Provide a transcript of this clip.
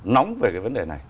nóng về cái vấn đề này